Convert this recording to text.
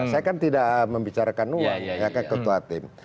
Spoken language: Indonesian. saya kan tidak membicarakan uang ya ke ketua tim